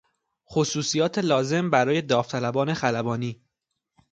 خصوصیات لازم برای داوطلبان خلبانی